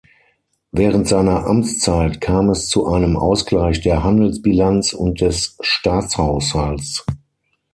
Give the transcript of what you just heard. Während seiner Amtszeit kam es zu einem Ausgleich der Handelsbilanz und des Staatshaushalts.